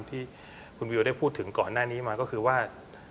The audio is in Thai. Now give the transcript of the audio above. ที่คุณวิวได้พูดถึงก่อนหน้านี้มาก็คือว่า